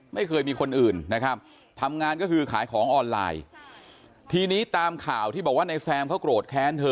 ไม่เคยมีคนอื่นนะครับทำงานก็คือขายของออนไลน์ทีนี้ตามข่าวที่บอกว่านายแซมเขาโกรธแค้นเธอ